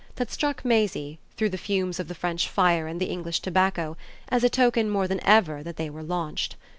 that struck Maisie, through the fumes of the French fire and the English tobacco, as a token more than ever that they were launched.